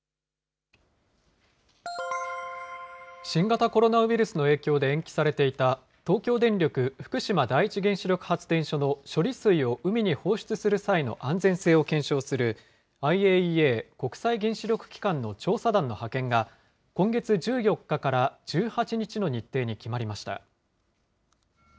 新型コロナウイルスの影響で延期されていた、東京電力福島第一原子力発電所の処理水を海に放出する際の安全性を検証するＩＡＥＡ・国際原子力機関の調査団の派遣が、今月１４日から１８日の日程に決まりました。